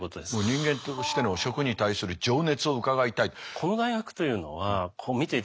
人間としての食に対する情熱を伺いたい。